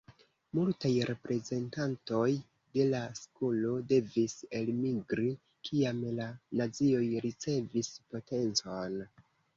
Multaj reprezentantoj de la skolo devis elmigri, kiam la nazioj ricevis potencon.